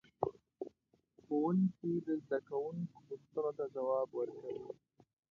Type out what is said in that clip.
ښوونکي د زده کوونکو پوښتنو ته ځواب ورکوي.